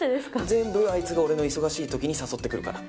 全部、あいつが俺の忙しいときに誘ってくるから。